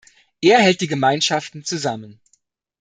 Er hält die Gemeinschaften zusammen.